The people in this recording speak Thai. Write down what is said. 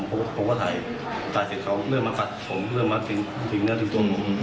ผมก็ถ่ายแต่เสร็จเขาเริ่มกัดปิดเนื้อถึงตัวผม